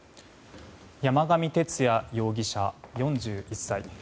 山上徹也容疑者、４１歳。